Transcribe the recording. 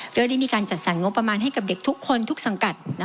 โดยได้มีการจัดสรรงบประมาณให้กับเด็กทุกคนทุกสังกัด